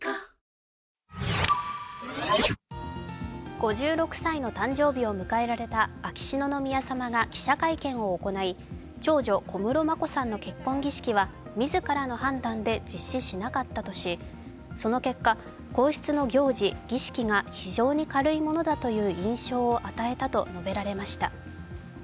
５６歳の誕生日を迎えられた秋篠宮さまが記者会見を行い、長女・小室眞子さんの結婚儀式は自らの判断で実施しなかったとしその結果、皇室の行事、儀式が非常に軽いものだという印象を与えたと述べられました。